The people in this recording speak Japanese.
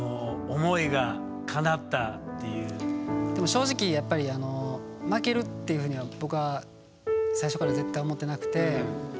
正直やっぱり負けるっていうふうには僕は最初から絶対思ってなくて。